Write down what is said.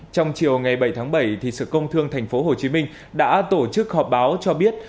trong chiều ngày bảy tháng bảy sở công thương tp hcm đã tổ chức họp báo cho biết